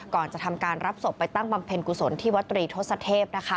ก่อนจะทำการรับศพไปตั้งบำเพ็ญกุศลที่วัตรีทศเทพ